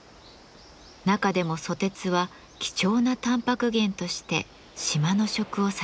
中でもソテツは貴重なタンパク源として島の食を支えてきました。